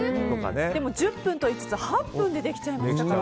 でも１０分といいつつ８分でできちゃいましたから。